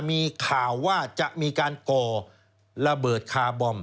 มีข่าวว่าจะมีการก่อระเบิดคาร์บอม